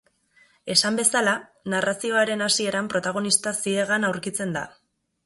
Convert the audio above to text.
Esan bezala, narrazioaren hasieran protagonista ziegan aurkitzen da.